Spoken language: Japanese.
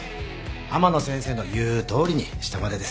天野先生の言うとおりにしたまでです。